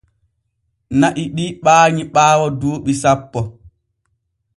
Na’i ɗi ɓaanyi ɓaawo duuɓi sappo.